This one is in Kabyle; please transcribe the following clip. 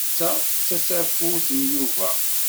Ta d tasafut n Yuba.